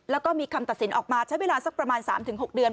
แล้วก็มีคำตัดสินออกมาใช้เวลาสักประมาณ๓๖เดือน